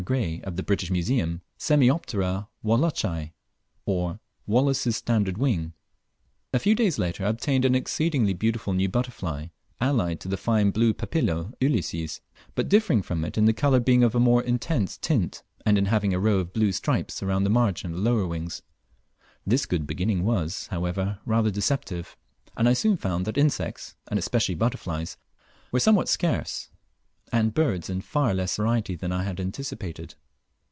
Gray of the British Museum, Semioptera Wallacei, or "Wallace's Standard wing." A few days later I obtained an exceedingly beautiful new butterfly, allied to the fine blue Papilio Ulysses, but differing from it in the colour being of a more intense tint, and in having a row of blue stripes around the margin of the lower wings. This good beginning was, however, rather deceptive, and I soon found that insects, and especially butterflies, were somewhat scarce, and birds in tar less variety than I had anticipated.